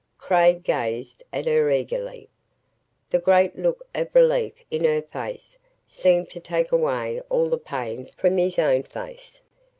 Craig gazed at her eagerly. The great look of relief in her face seemed to take away all the pain from his own face.